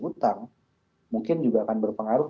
utang mungkin juga akan berpengaruh